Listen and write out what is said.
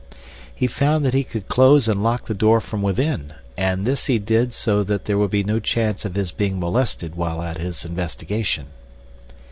He found that he could close and lock the door from within, and this he did so that there would be no chance of his being molested while at his investigation.